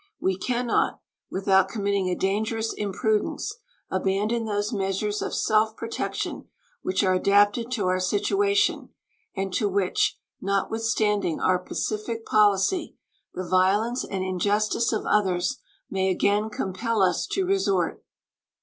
We can not, without committing a dangerous imprudence, abandon those measures of self protection which are adapted to our situation and to which, notwithstanding our pacific policy, the violence and injustice of others may again compel us to resort.